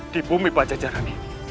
di bumi pajajara ini